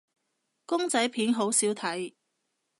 公仔片好少睇